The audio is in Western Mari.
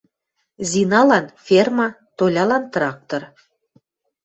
Зиналан — ферма, Толян — трактор.